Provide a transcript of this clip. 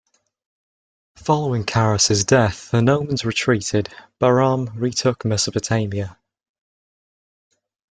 Following Carus's death, the Romans retreated, Bahram retook Mesopotamia.